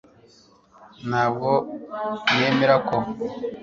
ntabwo nemera ko